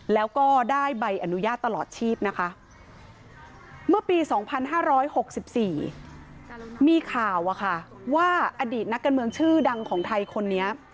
แล้วก็ได้ใบอนุญาตตลอดชีพนะคะเมื่อปี๒๕๖๔มีข่าวว่าอดีตนักการเมืองชื่อดังของไทยคนนี้